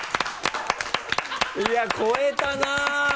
いや越えたなぁ。